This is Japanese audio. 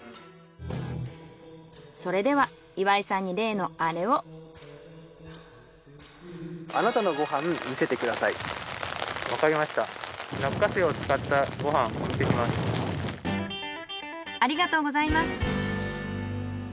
それでは岩井さんにありがとうございます。